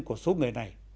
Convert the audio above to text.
của số người này